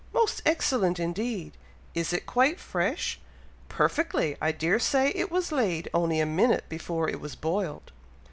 "Most excellent indeed!" "Is it quite fresh?" "Perfectly! I dare say it was laid only a minute before it was boiled!"